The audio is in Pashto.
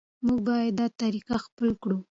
موږ باید دا طریقه خپله کړو.